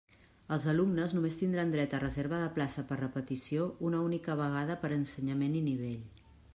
Els alumnes només tindran dret a reserva de plaça per repetició una única vegada per ensenyament i nivell.